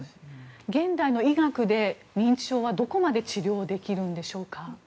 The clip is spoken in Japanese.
現代の医学で認知症はどこまで治療できるんでしょうか。